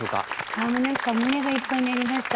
ああもう何か胸がいっぱいになりました。